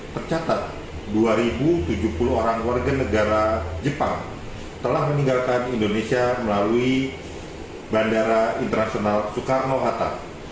tercatat dua tujuh puluh orang warga negara jepang telah meninggalkan indonesia melalui bandara internasional soekarno hatta